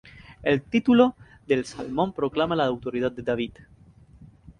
El título del salmo proclama la autoría de David.